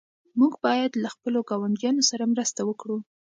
موږ باید له خپلو ګاونډیانو سره مرسته وکړو.